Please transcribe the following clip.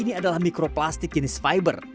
ini adalah mikroplastik jenis fiber